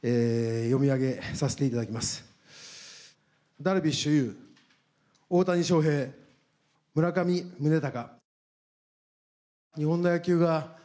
ダルビッシュ有、大谷翔平村上宗隆。